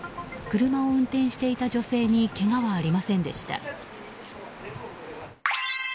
車を運転していた女性にけがはありませんでした。